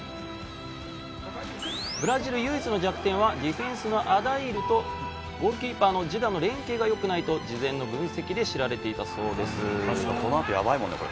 ブラジル唯一の弱点はディフェンスのアウダイールとゴールキーパーのジダの連係が良くないと事前の分析で知られていたそうです。